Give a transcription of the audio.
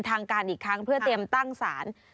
ทางการอีกครั้งเพื่อเตรียมตั้งศาล